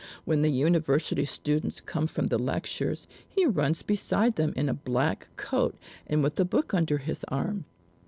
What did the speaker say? When the university students come from the lectures, he runs beside them in a black coat, and with a book under his arm.